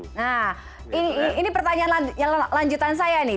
nah ini pertanyaan lanjutan saya nih